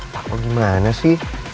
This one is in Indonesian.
pak lu gimana sih